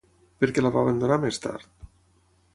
Per què la va abandonar més tard?